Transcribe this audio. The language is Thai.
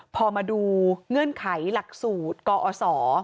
พอมาดูเงื่อนไขหลักสูตรกอศ